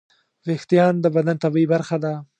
وېښتيان د بدن طبیعي برخه ده.